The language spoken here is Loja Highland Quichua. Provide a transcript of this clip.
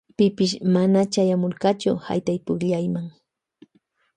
Pipash mana chayamurkachu haytaypukllayma.